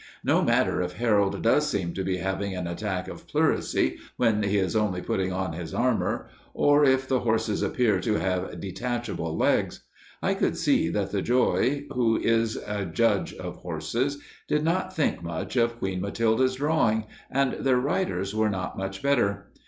No matter if Harold does seem to be having an attack of pleurisy, when he is only putting on his armor, or if the horses appear to have detachable legs. I could see that the Joy, who is a judge of horses, did not think much of Queen Matilda's drawing, and their riders were not much better.